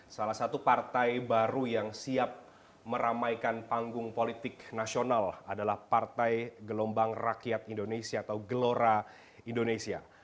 salah satu partai baru yang siap meramaikan panggung politik nasional adalah partai gelombang rakyat indonesia atau gelora indonesia